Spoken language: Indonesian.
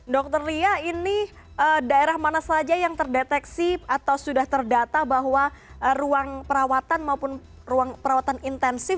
dokter lia ini daerah mana saja yang terdeteksi atau sudah terdata bahwa ruang perawatan maupun ruang perawatan intensif